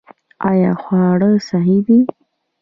آیا خواړه صحي دي؟